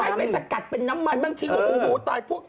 เข้าไปสกัดเป็นน้ำมันบางทีเขาก็รู้ว่าตาย